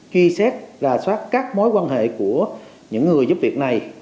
ghi xét và xoát các mối quan hệ của những người giúp việc này